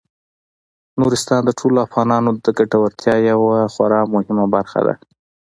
نورستان د ټولو افغانانو د ګټورتیا یوه خورا مهمه برخه ده.